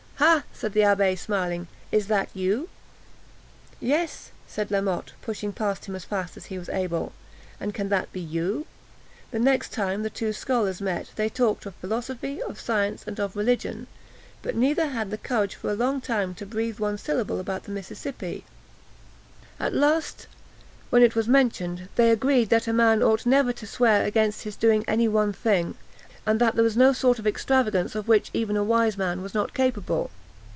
"Ha!" said the abbé smiling, "is that you?" "Yes," said La Motte, pushing past him as fast as he was able; "and can that be you?" The next time the two scholars met, they talked of philosophy, of science, and of religion, but neither had courage for a long time to breathe one syllable about the Mississippi. At last, when it was mentioned, they agreed that a man ought never to swear against his doing any one thing, and that there was no sort of extravagance of which even a wise man was not capable.